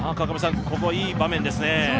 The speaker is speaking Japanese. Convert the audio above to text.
川上さん、ここはいい場面ですね。